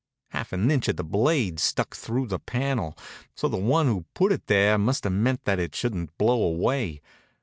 Half an inch of the blade stuck through the panel, so the one who put it there must have meant that it shouldn't blow away.